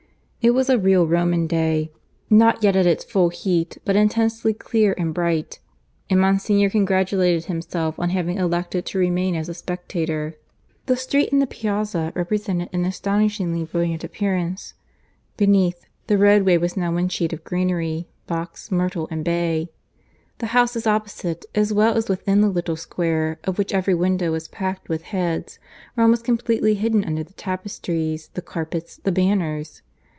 It was a real Roman day not yet at its full heat, but intensely clear and bright; and Monsignor congratulated himself on having elected to remain as a spectator. The return journey from the Lateran about noon would be something of an ordeal. The street and the piazza presented an astonishingly brilliant appearance. Beneath, the roadway was now one sheet of greenery box, myrtle, and bay. The houses opposite, as well as within the little square, of which every window was packed with heads, were almost completely hidden under the tapestries, the carpets, the banners.